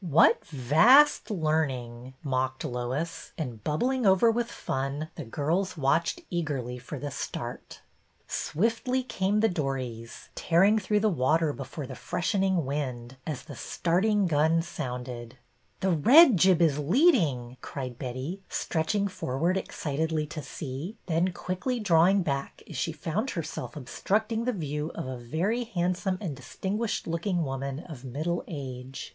'' What vast learning !" mocked Lois, and bub bling over with fun the girls watched eagerly for the start. Swiftly came the dories, tearing through the water before the freshening wind, as the starting gun sounded. The red jib is leading," cried Betty, stretch ing forward excitedly to see, then quickly drawing back as she found herself obstructing the view of a very handsome and distinguished looking woman of middle age.